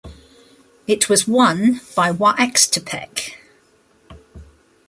It was won by Oaxtepec.